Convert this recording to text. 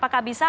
apakah itu bisa